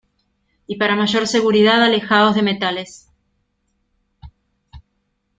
y para mayor seguridad, alejaos de metales